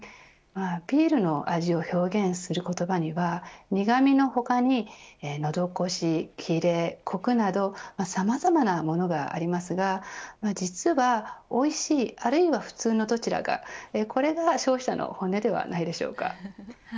ビールの味を表現する言葉には苦味の他に、のどごし切れ、コクなどさまざまなものがありますが実は、おいしいあるいは普通のどちらかこれが消費者の本音ではないでしょうか。